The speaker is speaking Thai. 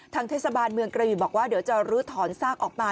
เทศบาลเมืองกระบี่บอกว่าเดี๋ยวจะลื้อถอนซากออกมา